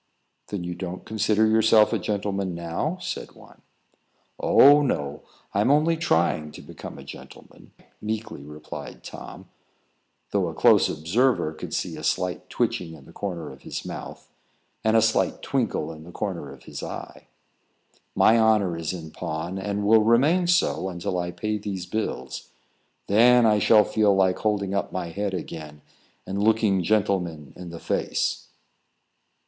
"Then you don't consider yourself a gentleman now?" said one. "Oh, no. I'm only trying to become a gentleman," meekly replied Tom, though a close observer could see a slight twitching in the corner of his mouth, and a slight twinkle in the corner of his eye. "My honour is in pawn, and will remain so until I pay these bills. Then I shall feel like holding up my head again, and looking gentlemen in the face."